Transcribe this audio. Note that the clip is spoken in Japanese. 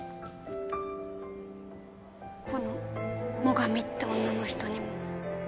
この最上って女の人にも。